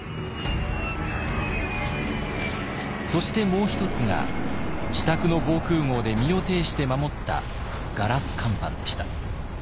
そしてもう一つが自宅の防空壕で身をていして守ったガラス乾板でした。